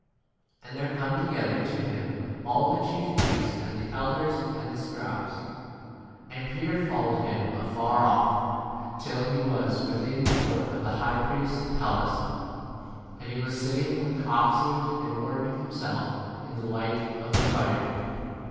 And there come to gether to him all the chief priests and the elders and the scribes. 54 And Peter followed him afar off, till [he was] within the court of the high priest's palace; and he was sitting with the officers and warming himself in the light [of 55 the fire].